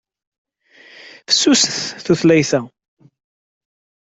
Fessuset tutlayt-a.